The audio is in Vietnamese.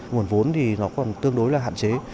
nguồn vốn thì nó còn tương đối là hạn chế